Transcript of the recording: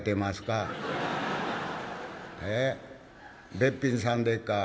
「べっぴんさんでっか？」。